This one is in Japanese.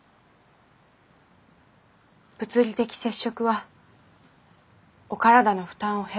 物理的接触はお体の負担を減らすでしょう。